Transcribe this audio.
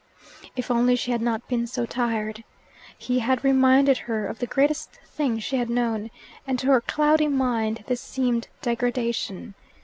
If only she had not been so tired! He had reminded her of the greatest thing she had known, and to her cloudy mind this seemed degradation.